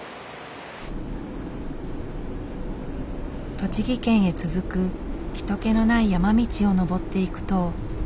栃木県へ続く人けのない山道を上っていくと。